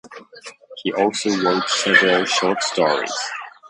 He also wrote several short stories.